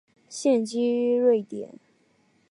现居瑞典。